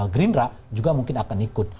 green rock juga mungkin akan ikut